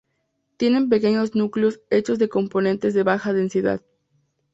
Tienen pequeños núcleos hechos de componentes de baja densidad.